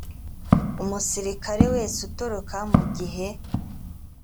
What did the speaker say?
umusirikare wese utoroka mu gihe